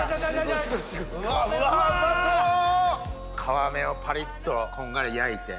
皮目をパリっとこんがり焼いて。